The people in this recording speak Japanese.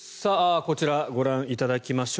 こちらご覧いただきましょう。